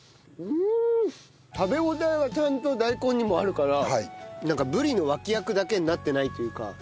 食べ応えがちゃんと大根にもあるからなんかブリの脇役だけになってないというか。